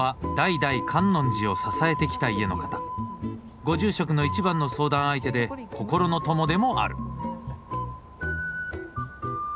ご住職の一番の相談相手で心の友でもある。